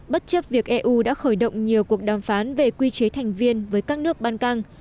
bất chấp việc eu đã khởi động nhiều cuộc đàm phán về quy chế thành viên với các nước ban căng